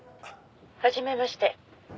「はじめまして」